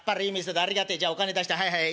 じゃあお金出してはいはい。